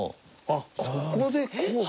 あっそこでこう？